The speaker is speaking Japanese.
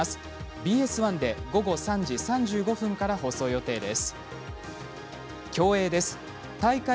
ＢＳ１で午後１時５分から放送予定です。